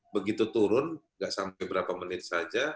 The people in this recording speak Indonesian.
begitu turun nggak sampai berapa menit saja